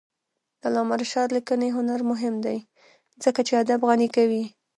د علامه رشاد لیکنی هنر مهم دی ځکه چې ادب غني کوي.